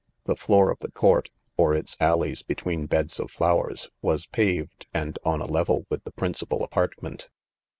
The floor, of the ; couri, (or its alleys between beds of. ilowers). was paved, and. on. a level with the principal: apartment.